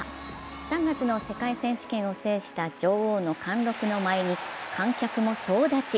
３月の世界選手権を制した女王の貫禄の舞に観客も総立ち。